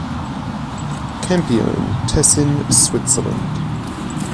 Campione, Tessin, Switzerland.